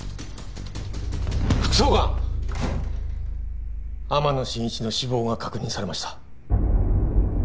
副総監天野真一の死亡が確認されました